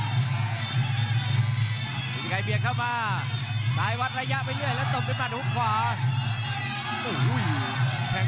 ฤทธิไกรเผียงเข้ามาซ้ายวัดระยะไม่เดือยแล้วตกอย่างมันฮุกความ